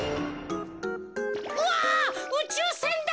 うわうちゅうせんだ！